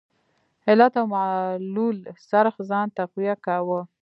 علت او معلول څرخ ځان تقویه کاوه.